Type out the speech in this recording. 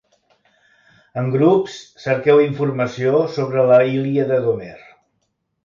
En grups, cerqueu informació sobre la Ilíada d'Homer.